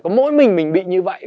có mỗi mình mình bị như vậy